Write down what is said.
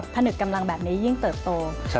ผนึกกำลังแบบนี้ยิ่งเติบโต